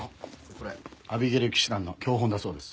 これアビゲイル騎士団の教本だそうです。